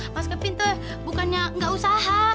mas kevin tuh bukannya nggak usaha